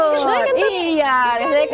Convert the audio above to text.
nah aku pakai boneka